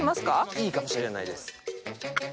いいかもしれないです。